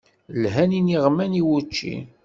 Lhan yiniɣman i wučči.